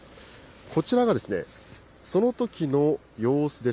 こちらが、そのときの様子です。